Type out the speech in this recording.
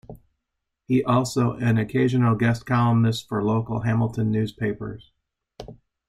He also an occasional guest columnist for local Hamilton newspapers.